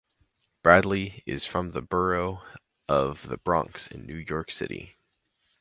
Bradley is from the borough of the Bronx in New York City.